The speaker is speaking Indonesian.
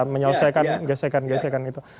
menyelesaikan gesekan gesekan gitu